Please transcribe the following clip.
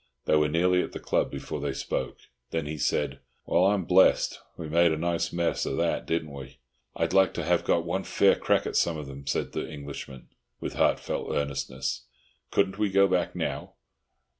They were nearly at the club before they spoke. Then he said, "Well, I'm blessed! We made a nice mess of that, didn't we?" "I'd like to have got one fair crack at some of 'em," said the Englishman, with heartfelt earnestness. "Couldn't we go back now?"